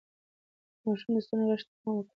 د ماشوم د ستوني غږ ته پام وکړئ.